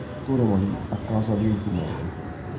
L'attore morì a causa di un tumore.